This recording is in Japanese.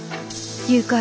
「誘拐」。